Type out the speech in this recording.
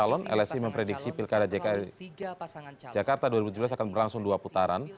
untuk siapa akan jadi pusri